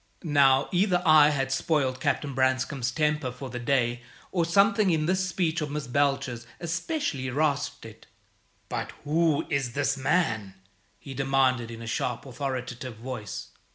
Now, either I had spoiled Captain Branscome's temper for the day, or something in this speech of Miss Belcher's especially rasped it. "But who is this man?" he demanded, in a sharp, authoritative voice.